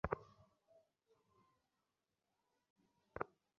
তাঁর দ্বারা প্রতারিত মানুষেরা তাঁর মুখে কালি ছিটিয়ে মনের জ্বালা মিটিয়েছেন।